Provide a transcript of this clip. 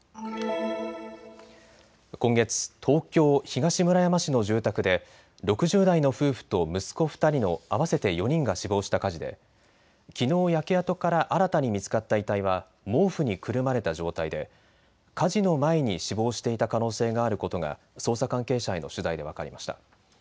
今月、東京東村山市の住宅で６０代の夫婦と息子２人の合わせて４人が死亡した火事できのう焼け跡から新たに見つかった遺体は毛布にくるまれた状態で火事の前に死亡していた可能性があることが捜査関係者への取材で分かりました。